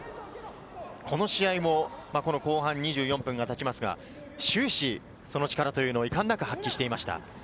この試合も後半２４分がたちますが、終始その力というのをいかんなく発揮していました。